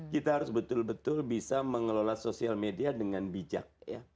kita harus betul betul bisa mengelola sosial media dengan bijak